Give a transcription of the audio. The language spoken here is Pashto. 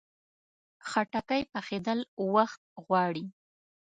خټکی پخېدل وخت غواړي.